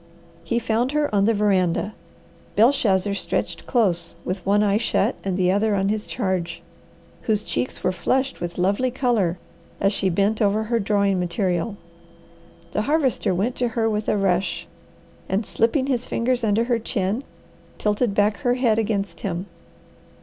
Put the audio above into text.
He found her on the veranda, Belshazzar stretched close with one eye shut and the other on his charge, whose cheeks were flushed with lovely colour as she bent over her drawing material. The Harvester went to her with a rush, and slipping his fingers under her chin, tilted back her head against him.